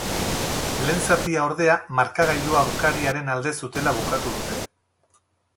Lehen zatia, ordea, markagailua aurkariaren alde zutela bukatu dute.